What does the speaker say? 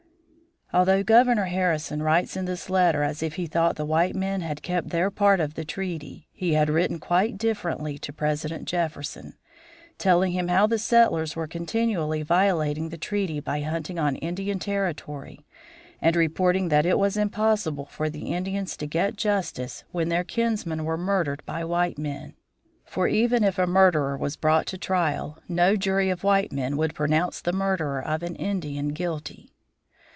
Although Governor Harrison writes in this letter as if he thought the white men had kept their part of the treaty, he had written quite differently to President Jefferson, telling him how the settlers were continually violating the treaty by hunting on Indian territory and reporting that it was impossible for the Indians to get justice when their kinsmen were murdered by white men; for even if a murderer was brought to trial no jury of white men would pronounce the murderer of an Indian guilty.